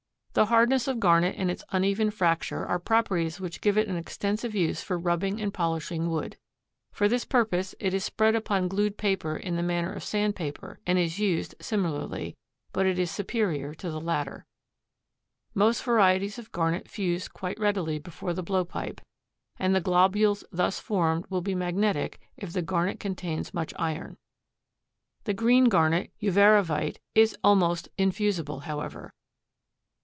The hardness of garnet and its uneven fracture are properties which give it an extensive use for rubbing and polishing wood. For this purpose it is spread upon glued paper in the manner of sandpaper and is used similarly, but it is superior to the latter. Most varieties of garnet fuse quite readily before the blowpipe, and the globules thus formed will be magnetic if the garnet contains much iron. The green garnet, uvarovite, is almost infusible, however.